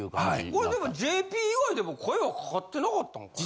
これでもＪＰ以外でも声はかかってなかったんかな？